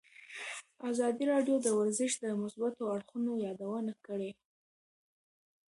ازادي راډیو د ورزش د مثبتو اړخونو یادونه کړې.